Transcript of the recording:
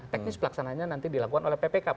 teknis pelaksananya nanti dilakukan oleh ppk